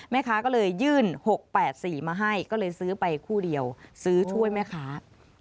แม่ค้าก็เลยยื่น๖๘๔มาให้ก็เลยซื้อไปคู่เดียวซื้อช่วยแม่ค้า